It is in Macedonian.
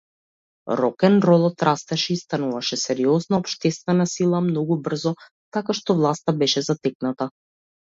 Рокенролот растеше и стануваше сериозна општествена сила многу брзо, така што власта беше затекната.